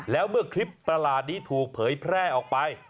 แล้วเมื่อคลิปประหลาดนี้ถูกเผยแพร่ออกไป